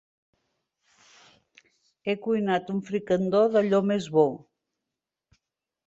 He cuinat un fricandó d'allò més bo.